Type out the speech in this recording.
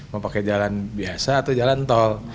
mau pakai jalan biasa atau jalan tol